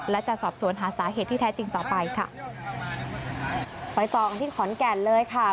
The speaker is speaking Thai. และจะสอบสวนหาสาเหตุที่แท้จริงต่อไปค่ะไปต่อกันที่ขอนแก่นเลยค่ะ